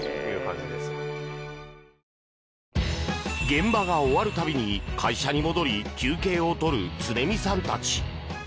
現場が終わるたびに会社に戻り休憩をとる常見さんたち。